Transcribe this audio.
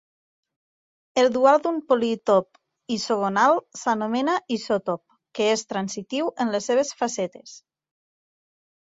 El dual d'un polítop isogonal s'anomena isòtop, que és transitiu en les seves facetes.